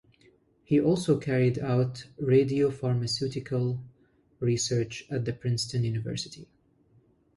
He also carried out radiopharmaceutical research at Princeton University.